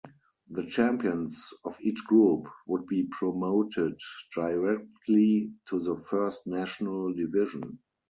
The champions of each group would be promoted directly to the First National Division.